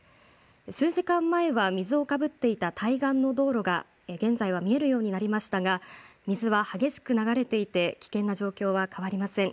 数時間前は水をかぶっていた対岸の道路が現在は見えるようになりましたが水は激しく流れていて危険な状況は変わりません。